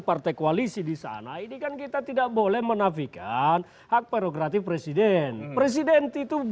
partai koalisi di sana ini kan kita tidak boleh menafikan hak prerogatif presiden presiden itu